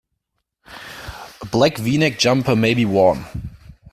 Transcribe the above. A black v-neck jumper may be worn.